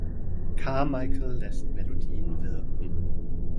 Carmichael lässt Melodien wirken.